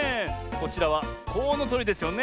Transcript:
こちらはコウノトリですよね